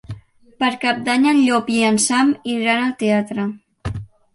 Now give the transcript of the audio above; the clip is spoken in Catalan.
Per Cap d'Any en Llop i en Sam iran al teatre.